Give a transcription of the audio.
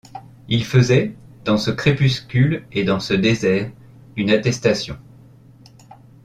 Il faisait, dans ce crépuscule et dans ce désert, une attestation.